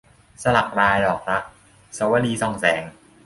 สลักลายดอกรัก - สวลี ส่องแสง